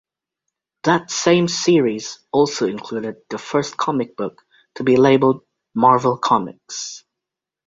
That same series also included the first comic book to be labeled "Marvel Comics".